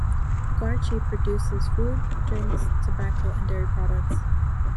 Carchi produces food, drinks, tobacco, and dairy products.